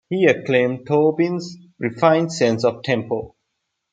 He acclaimed Tobin's "refined sense of tempo".